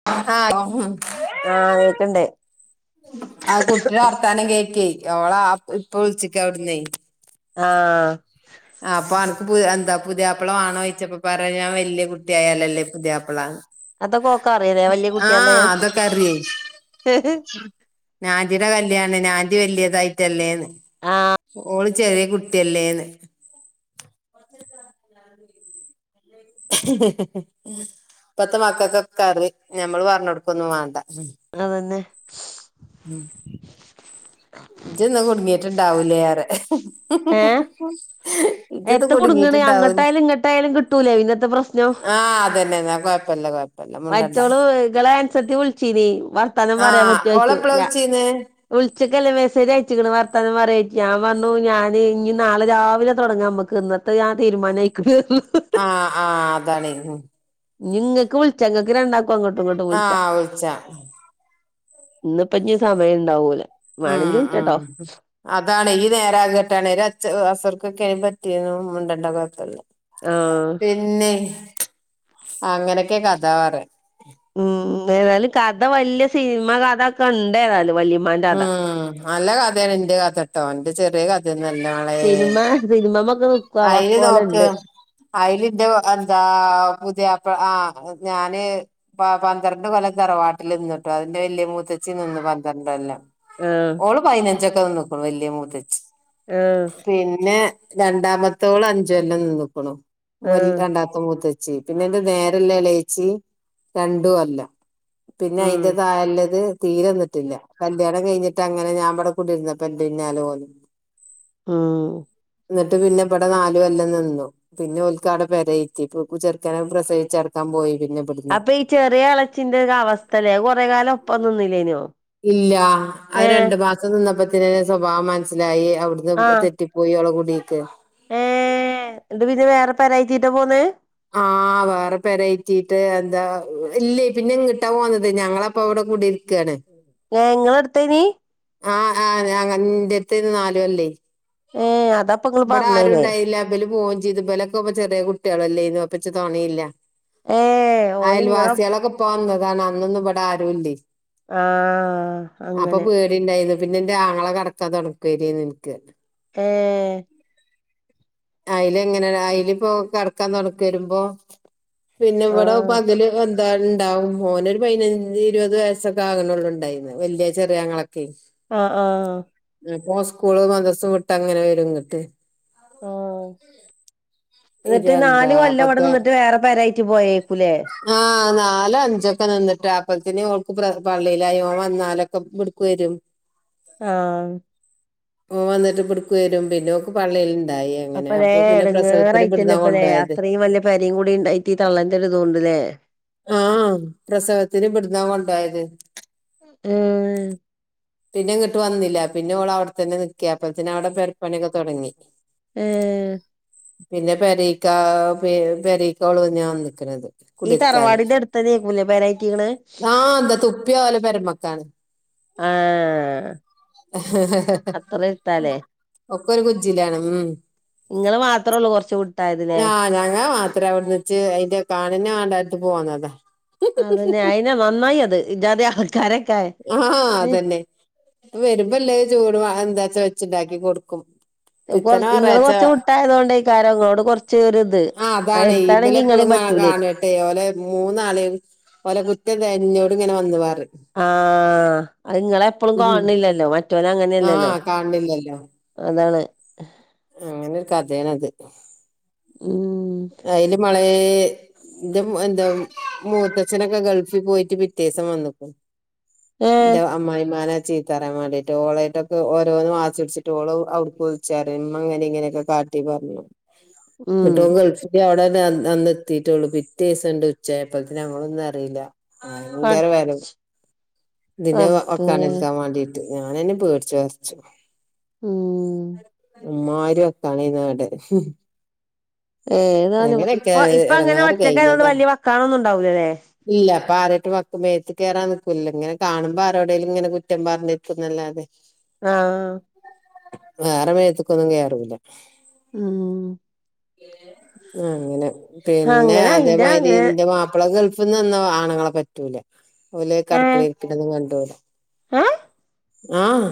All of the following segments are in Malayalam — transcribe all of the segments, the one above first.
[unintelligible] ഉം ആഹ് കേക്ക്ണ്ട് ആ കുട്ടിടെ അർഥ വർത്താനം കേക്കെ, ഓളെ ഇപ്പ വിളിച്ചിക്കാ അവിടുന്നേ. ആഹ് ആഹ് അപ്പൊ അണക്ക് പുതിയ എന്താ പുതിയാപ്പള വേണോ ചോയിച്ചപ്പോ പറയാ, ഞാൻ വല്യ കുട്ടി ആയാലല്ലേ പുതിയാപ്പളാന്ന്. അതൊക്കെ ഓക്ക് അറിയലേ വലിയ കുട്ടിയല്ലേ ആഹ് ഞാൻ്റിടെ കല്യാണ്ന് ഞാൻ്റി വലിയതായിട്ടല്ലേന്ന് ആഹ് ഓള് ചെറിയ കു ട്ടിയല്ലേന്ന് [unintelligible] [inaudible] ഇപ്പത്തെ മക്കക്ക് ഒക്കെ അറിയും ഞമ്മള് പറഞ്ഞ് കൊടുക്കൊന്നും വേണ്ട. അതന്നെ ഉം ഇജ്ജിന്നാ കുടുങ്ങിയിട്ടുണ്ടാവൂലേറയാ ഏഹ് ഇജ്ജ്ന്നാ എത്ത കുടുങ്ങണ് കുടുങ്ങിട്ടുണ്ടാവ്ന്ന് അങ്ങട്ടായാലും ഇങ്ങട്ടായാലും കിട്ടൂലേ പിന്നത്തെ പ്രശ്നം ആഹ് അതന്നെ എന്നാ കൊഴപ്പില്ല കൊഴ മറ്റോള് ഇങ്ങളെ അനുസത്തി വിളിച്ചീനീ വർത്താനം പറയാൻ ആഹ് പറ്റോച്ചു ഓളെപ്പളാ ഞാ വിളിച്ചീന്ന് വിളിച്ചിക്കല്ല മെസ്സേജ് അയച്ചിക്കണ് വർത്താനം പറയാ [unintelligible] ഞാൻ പറഞ്ഞു ഞാന് ഇനി നാളെ രാവിലെ തൊടങ്ങാം ഇമ്മക്ക്ന്ന് ആഹ് തീരുമാനായിക്ക്ണ് [unintelligible] ആഹ് ആഹ് അതാണ് ഇനി നിങ്ങക്ക് വിളിച്ചാ നിങ്ങക്ക് രണ്ടാക്കും അങ്ങോട്ട് ഇങ്ങോട്ട് വിളിച്ചാ. ആഹ് വിളിച്ചാ ഇന്നിപ്പ ഇഞ് സമയം ഉണ്ടാവൂല ഉം വേണെങ്കി ഉം വിളിച്ചട്ടോ. അതാണ് ഈ നേരാകട്ടാണ് അച് അസുർക്കൊക്കെ അനി പറ്റിയും മുണ്ടണ്ട കുലത്തല്ല ആഹ് പിന്നെ അങ്ങനെയൊക്കെ കഥ പറ ഉം ഏതായാലും കഥ വലിയ സിനിമ കഥ ഒക്കെ ഉണ്ട് ഏതായാലും വല്യമ്മാന്റെ കഥ. ഉം നല്ല കഥയാണ് എന്റെ കഥ ട്ടോ എന്റെ ചെറിയ കഥ ഒന്നല്ല മോളെ സിനിമമൊക്കെ നോക്കുവാ അയില് പോലെ നോക്ക് ഉണ്ട്. അയിലിന്റെ എന്താ പുതിയ ആഹ് ഞാന് പന്ത്രണ്ട് കൊല്ലം തറവാട്ടിൽ നിന്നിട്ടോ അതിന്റെ വലിയ മൂത്തച്ചി നിന്ന് പന്ത്രണ്ടോല്ലം. ആഹ്. ഓള് പയിനഞ്ചൊക്കെ വന്ന് നോക്കൂ വലിയ മൂതച്ച് ഏഹ്. പിന്നെ രണ്ടാമത്തോള് അഞ്ചോല്ലാം നിന്ന്ക്കണു വെൽ ആഹ് രണ്ടാമ മ മൂത്തച്ചി പിന്നെ എന്റെ നേരെല്ലാം ഇളേച്ചി രണ്ടും കൊല്ലം. പിന്നെ ഉം അയിന്റെ തായില്ലത് തീരെ നി ട്ടില്ല കല്യാണം കഴിഞ്ഞിട്ട് അങ്ങനെ ഞാൻ ഇവ്ടെ കൂടി ഇരുന്നപ്പോ എന്റെ പിന്നാല പോന്നു. ഉം. ട്ട് പിന്നെ ഇവിടെ നാലും എല്ലാം നിന്നു. പിന്നെ ഓൽക്കാട പെരയിറ്റി ഇപ്പൊ പ്പോ ചെറുക്കന പ്രസവി ചേടക്കാൻ പോയി പിന്നെ ഇവിടുന്ന് അപ്പൊ ഈ ചെറിയ അളച്ചിന്റെ അവസ്ഥല്ലേ കൊറെ കാലം ഒപ്പന്ന ഒന്നുനിന്നില്ലേനോ? ഇല്ല അത് രണ്ടു മാസം നിന്നപ്പത്തന്ന സ്വഭാവം മനസ്സിലായി അവിടുന്ന് ആഹ് തെറ്റി പോയി ഓളെ കുടീക്ക്. എന്ത് പിന്നെ വേറെ പെരായിറ്റീട്ടാ പോന്നേ? ആഹ് വേറെ പെരയിറ്റീട്ട് എന്താ ഇല്ലേ പിന്നെ എങ്ങിട്ട പോന്നത് ഞങ്ങളെ അപ്പൊ അവിടെ കൂടിയിരിക്കാണ്. ഏഹ് നിങ്ങള അടുത്തേനി? ആഹ് ആഹ് ഇന്റെ ആടുത്തേന്ന് നാല് കൊല്ലേ. ഏഹ് അതാപ്പൊ ഇങ്ങള് ബടെ പറഞ്ഞേല്ലേ ആരുണ്ടായില്ല ഇബല് പോവേം ചെയ്തു ഇബലെ കൊക്കെ ചെറിയ കുട്ടികളല്ലേ അപ്പൊ ഇച്ചു തോണയില്ല ഏഹ് ഓല് ഇങ്ങളെ അയൽവാസിയാളൊക്കെ പോന്നതാണ് അന്നൊന്നും ഇവിടെ ആരുല്ലേ. ആഹ് അങ്ങനെ. ട്ടി ഉണ്ടായിന്ന് പിന്നെ എന്റെ ആങ്ങള കടക്കാ തുണക്കയരിയന്ന് എനിക്ക് ഏഹ്. അയില് എങ്ങനെ ആണ് അയില് ഇപ്പോ കിടക്കാൻ തുണക്ക് വരുമ്പോ പിന്നെ ഇവിടെ ഇപ്പ ആഹ് അതില് എന്താണ്ടാവും മോനൊരു പതിനഞ്ച് ഇരുപത് വയസ്സൊക്കെ ആകണള്ളു ഉണ്ടായിന്ന് വലിയ ചെറിയങ്ങള ക്കെ ആഹ് ആഹ്. അപ്പൊ സ്കൂള് മതസ്സ് വിട്ട് അങ്ങനെ വരും ഇങ്ങിട്ട്. ഓ. എന്നിട്ട് ഇതെന്താ നാല് കൊല്ലം ഇവിടെ പത്ത് നിന്നിട്ട് വേറെ പെരായിട്ട് പോയേക്കൂലേ. ആഹ് നാലോ അഞ്ചൊക്കെ നിന്നിട്ട് അപ്പഴത്തന് അവൾക്ക് പ്ര പള്ളിയിലായി വന്നാലൊക്കെ ഇവിടുക്ക് വരും. ആഹ്. ഓ വന്നിട്ട് ഇബ്ട്ക്കു വരും പിന്നെക്ക് പള്ളയിൽ ഇണ്ടായി. അപ്പ ദേ എടങ്ങേറായിറ്റല്ലേ ഇപ്പ ദേ കൊണ്ടോയത് അത്രയും വലിയ പേരയും കൂടി ഉണ്ടായിട്ട് ഈ തള്ളെന്റെ ഒരിത് കൊണ്ടല്ലേ. ആഹ് പ്രസവത്തിന് ഇവിടുന്നാ കൊണ്ടോയത്. ഉം. പിന്നെ ഇങ്ങിട്ട് വന്നില്ല പിന്നെ ഓള് അവിടെ തന്നെ നിക്കെ അപ്പോഴത്തേന് അവിടെ പെര പണിയൊക്കെ തുടങ്ങി. ഏഹ്. പിന്നെ പെരീക്ക പെരീക്ക ഓള് വന്ന് ഞാൻ നിക്കണത്. ഈ കുടക്കാന് തറവാടിന്റെ അടുത്തന്നേക്കൂലേ പെരായിറ്റീക്കണ് ആ എന്താ തുപ്പിയ പോലെ പെരുമക്ക [unintelligible] ആ അത്ര എത്താലേ ഒക്കെ ഒരു കുജിയിലാണ് [unintelligible] നിങ്ങള് മാത്രഉള്ളൂ കുറച്ചു ആഹ ഞങ്ങ മാത്രേ എവിടന്ന്ച്ച് അതിന്റെ കാണിന വേണ്ടടുത്ത് പോന്നതെ [unintelligible] അതന്നെ പിന്നെ നന്നായത് ഇജ്ജാതി ആൾക്കാരെ ആ.. അതന്നെ ഇപ്പ വരുമ്പല്ലേ ചൂട് എന്താച്ചാ വെച്ചുണ്ടാക്കി കൊടുക്കും കൊറ പിത്തനെ ഇങ്ങള് കൊറച്ച് ഞായറാഴ്ച കുട്ടായത് കൊണ്ടാ നിങ്ങളോട് കൊറചൊരിത് ആ അതാണ് എടുത്താണെങ്കി ഇബലെപ്പളും ഇങ്ങളെയും കാ പറ്റൂല്ലാ [unintelligible] കാണട്ടെ ഓലെ മൂന്നാളേം ഓലെ കുറ്റം തന്നേ എന്നോട് ഇങ്ങനെ വന്നു പറയും ആ അത് നിങ്ങളെപ്പോളും ഉം കാണണില്ലല്ലോ മറ്റവൻ ആ അങ്ങനെയല്ലല്ലോ കാണില്ലല്ലോ അതാണ് അങ്ങനെരു കഥയാണത് [inaudible] അയില് മള [unintelligible] ഇന്റെ എന്റെ മൂത്തച്ഛനൊക്കെ ഗൾഫിൽ പോയിട്ട് പിറ്റേസം വന്നിക്ക് ഏഹ് ന്റെ അമ്മായിയമ്മ ചീത്തപറയാൻ വേണ്ടീട്ട് ഓളായിട്ടൊക്കെ ഓരോന്നന്ന് വാശിപി [unintelligible] ടിച്ചിട്ട് ഓരോ ചെറിയമ്മ അങ്ങനെ ഇങ്ങനെയൊക്കെ കാറ്റി പറഞ്ഞു ഉം [unintelligible] അവിടെന്ന് അന്ന് എത്തിയിട്ടുള്ളൂ പിറ്റേസം ഉണ്ട് ഉച്ചയാപ്പത്തേന് നമ്മളൊന്നറിയില്ല പട് ഭയങ്കരമാരുന്നു പിന്നെ റബ്ബേ വക്കാനാക്കാൻ വേണ്ടിട്ട് [unintelligible] ഞാനന്നെ പേടിച്ചു വെറച്ചു ഉം.. ഉ്മാരും ഒക്കണീ നാട് [unintelligible] ഏതാണ് ഇപ്പൊ ഇപ്പൊ അങ്ങനെ ഇടങ്ങാറ് ഒറ്റക്കായോണ്ട് കഴിഞ്ഞതാ വലിയ വക്കാണൊന്നും ഉണ്ടാവൂല്ല അല്ലേ ഇല്ല അപ്പൊ ആരായിട്ട് മക്ക മേത്തക്ക് കേയറൻ നിക്കൂല്ല ഇങ്ങനെ കാണുമ്പോ ആരോടേലും ഇങ്ങനെ കുറ്റം പറഞ്ഞിട്ട് പിന്നല്ലാതെ ആ ആ വേറെ മേത്തേക്കൊന്നും കേറൂല്ല ഉം അങ്ങനെ പിന്നെ അങ്ങനെ അയിന്റെ അതേമാരി അങ്ങനെ ന്റെ അപ്പള ഗൾഫിന്നിന്ന് ആണുങ്ങളെ പറ്റൂല അല്ലേ [unintelligible] ഏഹ് കിടക്കണേ ഇരിക്കണെ ഒന്നും കണ്ടൂടാ ഏഹ് ആഹ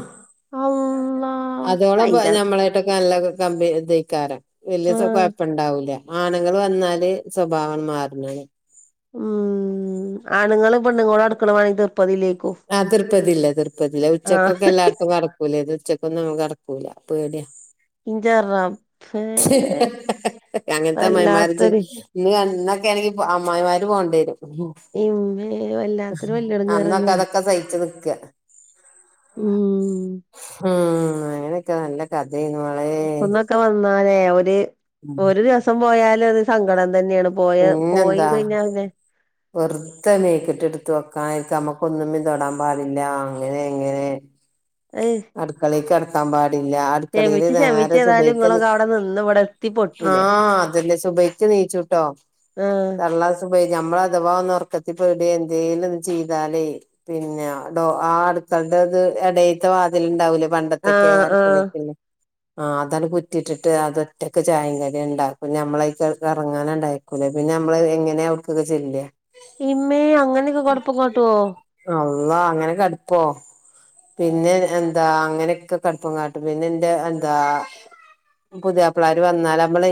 അള്ളാ അതോള [unintelligible] അയിന്റെ ഞമ്മളെ ക്കെ നല്ല കമ്പി ഇക്കാരം വല്യ ആഹ് കൊഴപ്പണ്ടാവൂല [unintelligible] ആണുങ്ങള് വന്നാല് സ്വഭാവം മാറണെ ഉം ആണുങ്ങള് പെണ്ണുങ്ങള് അടുക്കണ വേണമെങ്കിൽ തീർപ്പതിയിലേക്കോ ആഹ് തീർപ്പതില്ല തിർപ്പതില്ല ഉച്ചക്കൊക്കെ എല്ലാടതും കെടക്കൂല ഇത് ഉച്ചക്കൊന്നും അങ്ങനെ കെടക്കൂല പേടിയാ ഇഞ്ചാററാം [unintelligible] അങ്ങനത്തെ മ മറിച് വല്ലാത്തൊരു [unintelligible] ഇന്ന് ഇന്നൊക്കെയാണെങ്കി അമ്മായിമാര് പോകണ്ടി വരും ഉം ഇമ്മേ വല്ലാത്തൊരു വല്ലിടങ്ങേറ് അന്നൊക്കെ തന്നെയാണ്. അതൊക്കെ സഹിച്ച് നിൽക്ക ഉം ഉം അങ്ങനെക്കെ നല്ല കഥയാ ഒന്നൊക്കെ വന്നാലേ ഒരി ഒരു രസം പോയാലും അത് സങ്കടം തന്നെയാണ് പോയ പോയി പിന്നെന്താ കഴിഞ്ഞാ വെറുതെ മേക്കിട്ട് എടുത്ത് വെക്കാനായിരിക്ക നമ്മുക്കൊന്നും പിന്തുൊടാൻ പാടില്ല അങ്ങനെ എങ്ങനെ ഏയ് അടുക്കളയ്ക്ക് എറക്കാൻ പാടില്ല അക്കളിയില് ക്ഷമിച്ച് നേരെ ഏതായാലും സുബക്ക് ഇങ്ങളൊക്കെ അവിടെ നിന്ന് ഇവിടെ എത്തി ആ പൊട്ടൂലേ അതന്നെ സുബക്ക് നീച്ചുട്ടോ ആഹ പോ ഞമ്മള് അഥവാ ഒന്ന് ഉറക്കത്തി പോയിട്ട് എന്തേലും ഒന്ന് ചെയ്താലേ പിന്നെ ഡോ ആ അടുക്കളുടെ അത് ഇടേത്തെ വാ അതിലുണ്ടാവുലേ പണ്ടത്തൊക്കെ ആഹ് ആഹ് അടുക്കളക്കല്ലേ ആ അതാണ് കുറ്റിട്ടിട്ട് അതൊറ്റക്ക് ചായ കടി ഇണ്ടാക്കും ഞമ്മള ഇറങ്ങാനിണ്ടായി ആല്ലേ പിന്നെ നമ്മള് എങ്ങനെയാ അവിടുക്കൊക്കെ ചെല്ലുകാ ഇമ്മേ അങ്ങനെയൊക്കെ കൊഴപ്പങ്കാട്ടുവോ അള്ളാ അങ്ങനെക്കെടുപ്പോ പിന്നെ എന്താ അങ്ങനെയൊക്കെ കടുപ്പം കാട്ടും പിന്നെ എൻ്റെ എന്താ പുതിയാപ്പളമാര്വന്നാല് നമ്മളെ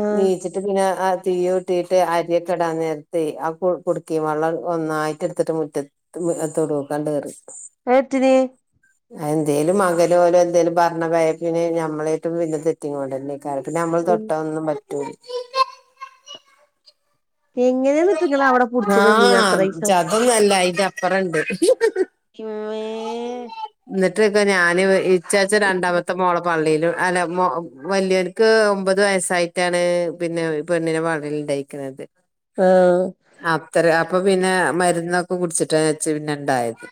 ആഹ് നീച്ചി പിന്നെ ആ തീ ഇട്ടിട്ട് അരിയക്കെടാ നിരത്തി ആ കു കുടുക്കി വെള്ളം ഒന്നായിട്ട് എടുത്തിട്ട് മുറ്റ തും എതോടൊ കണ്ടേറ് അത് എറ്റിന് എന്തേലും മകനോ ഓര് എന്തേലും പറഞ്ഞ [unintelligible] ഞമ്മളായിട്ടും പിന്നെ തെറ്റിങ്ങോണ്ടല്ലേ പിന്നെ നമ്മള് തൊട്ട ഒന്നും പറ്റൂല എങ്ങനെ ആഹ് ജതൊന്നല്ല ഇയിൻ്റപ്പുറണ്ട് ഇമ്മേ എന്നിട്ട് ഇപ്പ ഞാന് ഇച്ചാച്ച രണ്ടാമത്തെ മോളും പള്ളിയിലും അല്ല വലിയവർക്ക് ഒമ്പത് വയസ്സായിട്ടാണ് പിന്നെ പെണ്ണിനെ [unintelligible] ഇണ്ടായി ക്കിനത് ആഹ് അത്ര അപ്പൊ പിന്നെ മരുന്നൊക്കെ കുടിച്ചിട്ടാ കൊച്ച് പിന്നെ ഇണ്ടായത്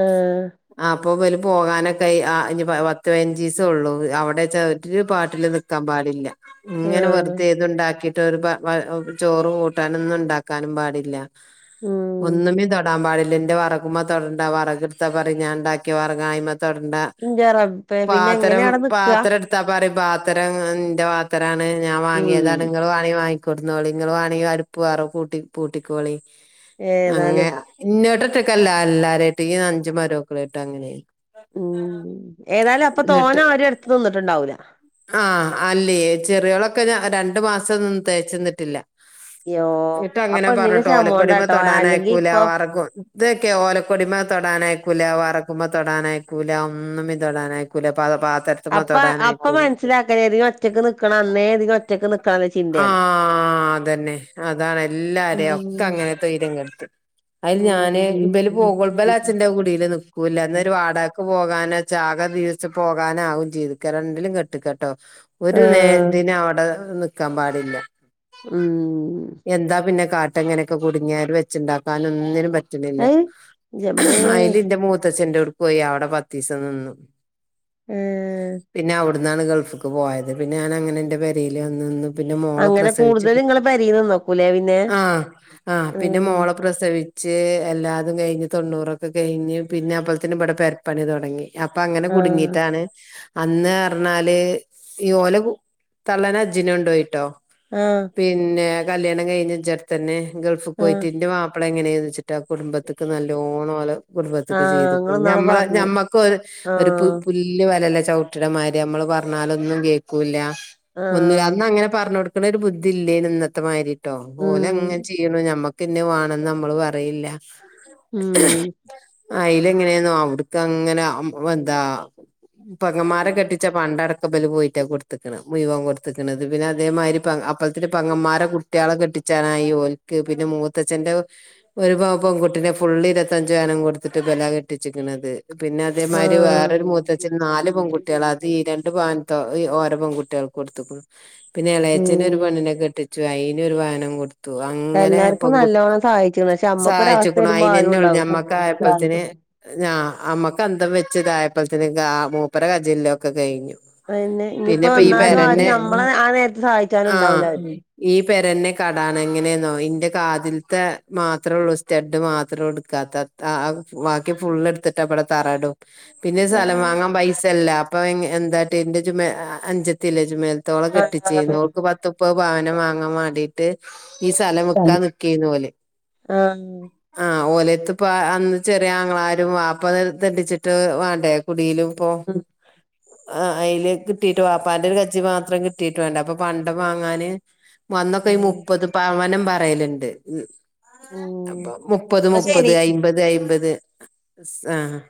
ആഹ് ആ അപ്പ ഇവല് പോകാനൊക്കെ ആയി പത്ത് പയ്നഞ്ചിസേ ഉള്ളു അവിടെ ചെ ഒരു പാട്ടിലും നി ക്കാൻ പാടില്ല ഇങ്ങനെ ആഹ് വെറുതെ തുണ്ടാക്കിട്ട് ഒരു ചോറ് കൂട്ടാനൊന്നും ഉണ്ടാക്കാനൊന്നും പാടില്ല ഉം ഒന്നുമേ തൊടാൻ പാടില്ല എന്റെ വറക്കുമ്പോ തൊടണ്ട വറ ടുത്ത പറയും ഞാൻ ഇണ്ടാക്കിയ വർങ്ങാ അയ്മ തൊടണ്ട ഇന്റെ റബ്ബേ പിന്നെ എങ്ങനെ പാം അവിടെ നിക്കാ പാത്രം എടു ത്താപ്പാറ പാത്രം നിന്റെ പാത്രാണ് ഞാൻ ഉം വാങ്ങിയതാണ് നിങ്ങൾ വാണെ വാ കൊടുന്നോളി നിങ്ങ വേണെങ്ങി അടുപ്പ് വറ കൂട്ടി പൂട്ടിക്കോളി ഏതാലും അങ്ങെയാ ഇന്നോട്ടിട്ടൊക്കല്ല എല്ലാരും ആയിട്ടും ഈ അഞ്ച് മരുക്കളായിട്ടും അങ്ങനെയാ ഉം ഏതായാലും അപ്പൊ തോന്നാ അവ എടുത്ത് തിന്നിട്ടുണ്ടാവൂല ആഹ് അല്ലേ ചെറിയോളൊക്കെ ഞാ രണ്ടു മാസൊന്നും തേച്ച് നിന്നിട്ടില്ല യ്യോ ഇട്ട് ആ അങ്ങനെ പെണ്ണിന്റെ പറഞ്ഞട്ടോലക്കൊടിമ ശമോണ്ടാട്ടോ അല്ലെങ്കി തൊടാനായിക്കൂല ഇപ്പൊ വർക്കും ഇതൊക്കെയാ ഓലക്കൊടിമ്മേ തൊടാനായിക്കൂല വറക്കുമ്പോ തൊടാനായിക്കൂല ഒന്നും ഇതേ തൊടാനായിക്കൂല പാ പാത്രം അപ്പ അപ്പ മനസ്സിലാക്ക ഇ ചിന്തയാണ് ആഹ് അതന്നെ അതാണ് എല്ലാരെയും ഒക്കെ ഉം അങ്ങനെ തൊയ്രിയം കെടുത്തും അയില് ഉം ഞാന് ഇബല് [unintelligible] അച്ഛന്റെ കുടീല് നിക്കൂല എന്നേരം വാട ക്ക് പോകാനോ ചാക ദീച്ച് പോകാന ആകും ചെയ്തുക്ക രണ്ടിലും കെട്ടിക്കട്ടോ ഒരു നേ ആഹ് ഇതിനും അവടെ നിക്കാൻ പാടില്ല ഉം ഉം എന്താ പിന്നെ കാട്ട ഇങ്ങനെയൊക്കെ കുടുങ്ങിയാല് വെച്ചുണ്ടാക്കാൻ ഒന്നിനും പറ്റ ല്ല അയ് ന്റമ്മേ അയില് എന്റെ മൂത്തച്ഛന്റെ അവ്ട്ക്ക് പോയി അവിടെ പത്തീസം നിന്നു ഉം പിന്നെ അവിട്ന്നാണ് ഗൾഫ്ക്ക് പോയത് പിന്നെ ഞാൻ അങ്ങനെ ന്റെ പെരേല് വന്ന് നിന്ന് പിന്നെ മോളെ അങ്ങനെ പ്രസവിച്ച് കൂടുതല് ഇങ്ങള് പെരീന്ന് നിന്നോക്കൂലേ പിന്നെ ആഹ് ആഹ് പിന്നെ ഉം മോളെ പ്രസവി ച്ച് എല്ലാതും കഴിഞ്ഞ് തൊണ്ണൂറൊക്കെ കഴിഞ്ഞ് പിന്നെ അപ്പോളത്തിന് ഇവിടെ പെരപ്പണി തൊടങ്ങി അപ്പൊ അങ്ങനെ ആഹ് കുടുങ്ങീട്ടാണ് അന്ന് പറഞ്ഞാല് ഈ ഓലെ തള്ളേനെ ഹജ്ജിന് കൊണ്ടോയിട്ടോ ആഹ് പിന്നെ കല്യാണം കയിഞ്ഞ് ഇൻജെ [unintelligible] ട്തെന്നെ ഗൾഫിൽ ആഹ് പോയിട്ട് ൻ്റെ മാപ്പള എങ്ങനെ ചോയ്ച്ചിട്ട് മറ്റ കുടുംബത്തിക്ക് നല്ലോണം ഓലെ കുടുംബത്തിക്ക് ആഹ് ചെയ്തു ഇങ്ങള് ഇന്നാള് ഞമ്മളെ പറഞ്ഞു ഞമ്മക്ക് ഒരു ഒരു പു ആഹ് പുല്ല്- ല്ല് വെലല്ല ചവിട്ടിടമാരി നമ്മള് പറഞ്ഞാലൊന്നും കേക്കൂല്ല ഒന്നുല്ല ആഹ് അന്നങ്ങനെ പറഞ്ഞൊ ട്ക്കണ ബുദ്ധി ഇല്ലേന്നു ഇന്നത്തെമാരിട്ടോ ഓല് അങ്ങനെ ഉം ചെയ്യണു ഞമ്മക്ക് പിന്നെ വാണന്ന് നമ്മള് പറയില്ല ഉം അയിലെങ്ങനെന്നോ അവിടുക്ക് അങ്ങനെ എന്താ പെങ്ങമ്മാരെ കെട്ടി ച്ച പണ്ടം അടക്കം ഇവള് പോയിട്ടാ കൊടുത്തക്കണെ മുഴുവൻ കൊടുത്ത്ക്കണത് പിന്നെ- അതേമാരി അപ്പത്തിന് പെങ്ങന്മാരെ കു കുട്ട്യാളെ കെട്ടിച്ചാനായി ഓൽക്ക്‌ പിന്നെ മൂത്തച്ഛന്റെ ഒരു [unintelligible] പ്പം ആ പെങ്കുട്ടിനെ ഫുള്ള് ഇരുപത്തഞ്ച് പവനും കൊടുത്തിട്ട് ഇബ [unintelligible] ല കെട്ടിച്ചിക്കണത് പിന്നെ അതേമാതി ആഹ് വേറൊരു മൂത്തച്ഛന് നാല് പെൺകുട്ടികളാ രണ്ട് പവൻ തൊ ഓരോ പെൺകുട്ടിയാൾക്ക് കൊടുത്ത്ക്ക്‌ണു പിന്നെ എളയച്ഛന് ഒരു ഉം പെണ്ണിനെ കെട്ടിച്ചു അയിന് ഒരു പവനും കൊടു ത്തു അങ്ങനെ എല്ലാർക്കും പെൺകുട്ടി നല്ലോണം സഹായിച്ച്ണ് പക്ഷെ അമ്മക്കൊരവസ്ഥ സഹായിച്ചെക്ക്‌ണു വരുമ്പോ അയിന് ആരും തന്നെയുള്ളൂ ഉണ്ടാവൂല ഞമ്മക്ക്- ആയപ്പത്തെന് ഞാ അമ്മക്ക് അന്തം വെച്ച് ഇതായപ്പത്തിന് മൂപ്പരെ കജ്ജിലിള്ളതൊക്കെ കഴിഞ്ഞു അത് തന്നെ ഇഞ്ഞിപ്പോ പിന്നെപ്പ ഈ എന്നാലും ആരും പെരന്നെ ഞമ്മളെ ആ നേരത്ത് സഹായിച്ചാനും ആഹ് ഇണ്ടാവൂല ആരും ഈ പെരന്നെ കടാണ് എങ്ങനെന്നോ ഇന്റെ കാതിൽത്തെ മാത്രോള്ളു സ്റ്റഡ് മാത്രൊ എടുക്കാത്തെ ആഹ് ബാക്കി ഫുള്ള് എടുത്തിട്ട ഇവിടെ തറയിടും പിന്നെ സ്ഥലം വാങ്ങാൻ പൈസയില്ല അപ്പൊ എന്താട്ടി എന്റെ ജുമേ അനുജത്തില്ലേ ജുമേല ത്ത് ഓളെ കെട്ടിച്ചീന്നു ആഹ് ഓൾക്ക് പത്തുമുപ്പത് പവനും വാങ്ങാൻ വാണ്ടി ട്ട് ഈ സ്ഥലം വിക്കാൻ നിക്കെയായിരുന്നു ഓല് ആഹ് ആഹ് ഓലെത്ത് ഇപ്പ അന്ന് ചെറിയ ആങ്ങളാരും വാപ്പതെണ്ടിച്ചിട്ട് വേണ്ടേ കുടിയിലും ഇപ്പൊ- മ്മ് [unintelligible] ആഹ് അയില് കിട്ടീട്ട് വാപ്പാന്റെ ഒരു കജ്ജ് മാത്രം കിട്ടീട്ട് വേണ്ടെ അപ്പൊ പണ്ടം വാങ്ങാന് അന്നൊക്കെ ഈ മുപ്പത് പവനും പറയലിണ്ട് ഉം ഉം അപ്പൊ മുപ്പത് ന്നാ മുപ്പത് ശരി അയ്മ്പത് അയ്മ്പത് ആഹ്